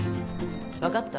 分かった？